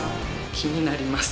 気になります。